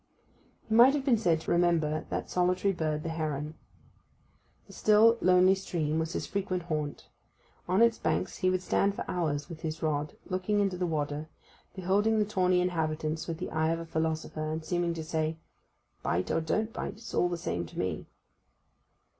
He might have been said to resemble that solitary bird the heron. The still, lonely stream was his frequent haunt: on its banks he would stand for hours with his rod, looking into the water, beholding the tawny inhabitants with the eye of a philosopher, and seeming to say, 'Bite or don't bite—it's all the same to me.